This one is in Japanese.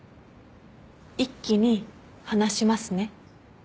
一気に話しますね。